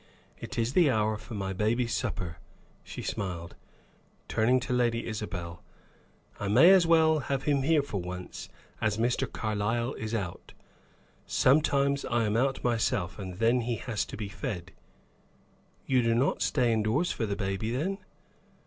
It is the hour for my baby's supper," she smiled, turning to Lady Isabel. "I may as well have him here for once, as Mr. Carlyle is out. Sometimes I am out myself, and then he has to be fed." "You do not stay indoors for the baby, then?"